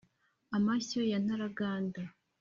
amashyo ya ntaraganda,